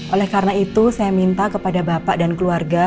oleh karena itu saya minta kepada bapak dan keluarga